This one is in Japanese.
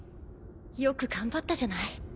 よく頑張ったじゃない。